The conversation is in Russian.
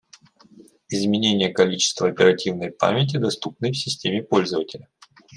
Изменение количество оперативной памяти, доступной в системе пользователя